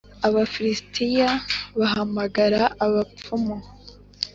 Abafilisitiya bahamagara abapfumu